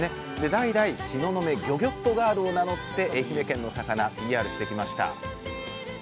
代々「しののめ魚魚っとガール」を名乗って愛媛県の魚ＰＲしてきました。